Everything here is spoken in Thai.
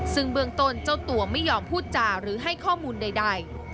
ซึ่งเบื้องต้นเจ้าตัวไม่ยอมพูดจาหรือให้ข้อมูลใด